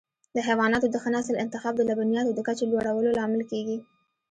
د حیواناتو د ښه نسل انتخاب د لبنیاتو د کچې لوړولو لامل کېږي.